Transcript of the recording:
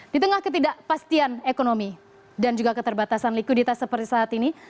di tengah ketidakpastian ekonomi dan juga keterbatasan likuiditas seperti saat ini